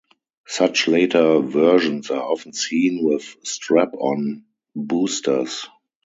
Such later versions are often seen with strap-on boosters.